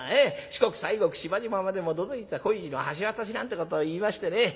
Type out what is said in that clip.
『四国西国島々までも都々逸恋路の橋渡し』なんてことをいいましてね。